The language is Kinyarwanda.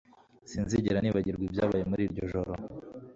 Sinzigera nibagirwa ibyabaye muri iryo joro